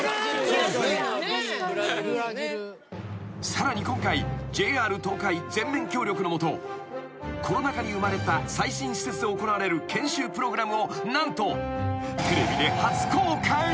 ［さらに今回ＪＲ東海全面協力の下コロナ禍に生まれた最新施設で行われる研修プログラムを何と］